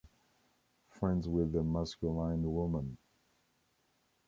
Friends with a masculine woman.